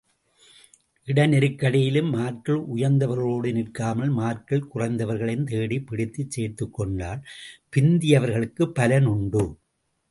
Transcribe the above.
இட நெருக்கடியிலும் மார்க்கில் உயர்ந்தவர்களோடு நிற்காமல, மார்க்கில் குறைந்தவர்களையும் தேடிப் பிடித்துச் சேர்த்துக் கொண்டால், பிந்தியவர்களுக்குப் பலன் உண்டா?